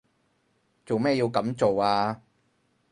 做咩要噉做啊？